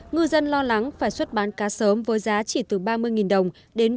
ngư dân lo lắng phải xuất bán cá sớm với giá chỉ từ ba mươi đồng